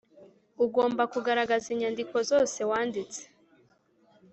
ugomba kugaragaza inyandikozose wanditse